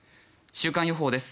週間予報です。